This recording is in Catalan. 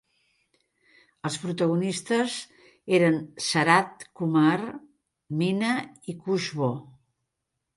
Els protagonistes eren Sarath Kumar, Meena i Kushboo.